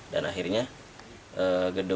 dan akhirnya terjadi hujan yang sangat deras